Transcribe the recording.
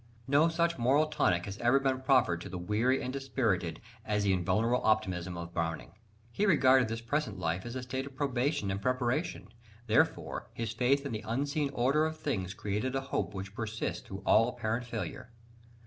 No such moral tonic has ever been proffered to the weary and dispirited as the invulnerable optimism of Browning. He regarded this present life as a state of probation and preparation; therefore, "his faith in the unseen order of things created a hope which persists through all apparent failure."